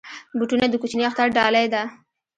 بوټونه د کوچني اختر ډالۍ ده.